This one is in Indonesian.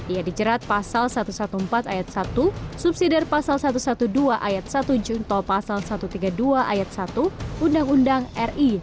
ia dijerat pasal satu ratus empat belas ayat satu subsidi pasal satu ratus dua belas ayat satu junto pasal satu ratus tiga puluh dua ayat satu undang undang ri